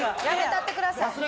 やめたってください。